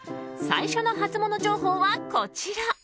最初のハツモノ情報は、こちら。